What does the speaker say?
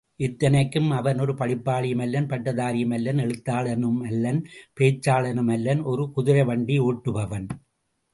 இத்தனைக்கும் அவன் ஒரு படிப்பாளியும் அல்லன் பட்டதாரியும் அல்லன் எழுத்தாளனுமல்லன் பேச்சாளலுமல்லன் ஒரு குதிரை வண்டி ஒட்டுபவன்.